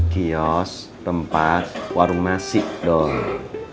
kios tempat warung nasi dong